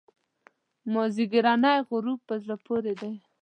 مازیګرنی غروب په زړه پورې دی.